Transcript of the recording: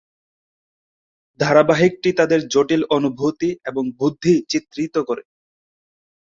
ধারাবাহিকটি তাদের জটিল অনুভূতি এবং বৃদ্ধি চিত্রিত করে।